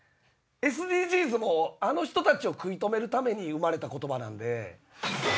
ＳＤＧｓもあの人たちを食い止めるために生まれた言葉なんで。